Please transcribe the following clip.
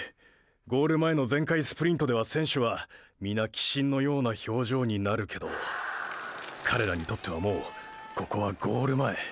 ゴール前の全開スプリントでは選手は皆鬼神のような表情になるけど彼らにとってはもうここは“ゴール前”！！